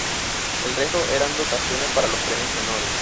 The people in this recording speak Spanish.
El resto eran dotaciones para los premios menores.